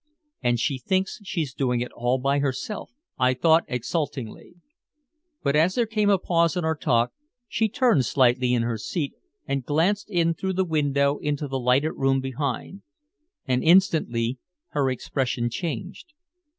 "And she thinks she's doing it all by herself," I thought exultingly. But as there came a pause in our talk, she turned slightly in her seat and glanced in through the window into the lighted room behind. And instantly her expression changed.